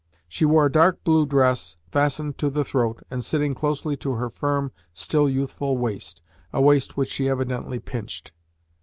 She wore a dark blue dress fastened to the throat and sitting closely to her firm, still youthful waist a waist which she evidently pinched.